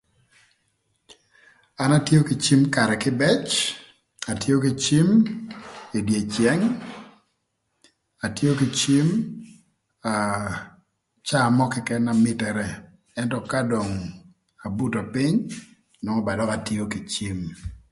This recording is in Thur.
An atio kï cim karë kïbëc, atio kï cim ï dye ceng, atio kï cim aa caa mö këkën na mïtërë ëntö ka dong abuto pïny nwongo ba dök atio kï cim